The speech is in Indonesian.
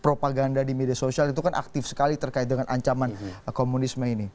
propaganda di media sosial itu kan aktif sekali terkait dengan ancaman komunisme ini